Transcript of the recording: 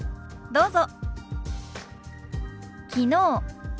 どうぞ。